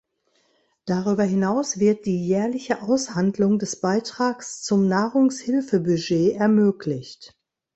Darüber hinaus wird die jährliche Aushandlung des Beitrags zum Nahrungshilfebudget ermöglicht.